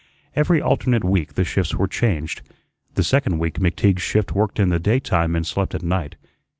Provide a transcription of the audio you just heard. Every alternate week the shifts were changed. The second week McTeague's shift worked in the daytime and slept at night.